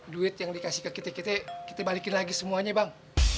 duit yang dikasih ke kita kita balikin lagi semuanya bang